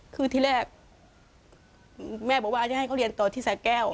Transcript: คือที่แรกแม่บอกว่าจะให้เขาเรียนต่อที่สาแก้ว